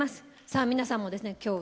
さあ皆さんもですね今日